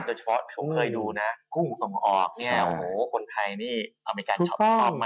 โดยเฉพาะเคยดูนะกุ้งส่งออกคนไทยอเมริกันชอบมาก